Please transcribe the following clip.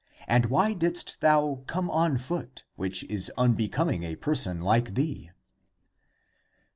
And why didst thou come on foot, which is unbecoming a per son like thee?"